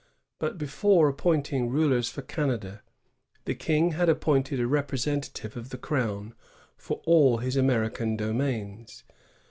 But before appointing rulers for Canada, the King had appointed a representative of the Crown for all his American domains.